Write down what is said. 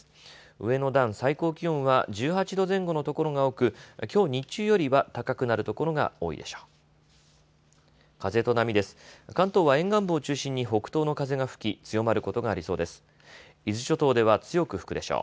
上の段、最高気温は１８度前後の所が多く、きょう日中よりは高くなる所が多いでしょう。